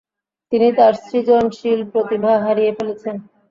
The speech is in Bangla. তিনি তার সৃজনশীল প্রতিভা হারিয়ে ফেলছেন।